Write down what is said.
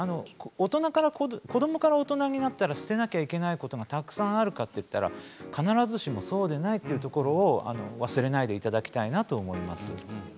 子どもから大人になったら捨てなければいけないことはたくさんあるかといったら必ずしもそうじゃないというところを忘れないでいただきたいと思います。